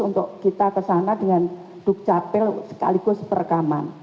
untuk kita ke sana dengan duk capil sekaligus perekaman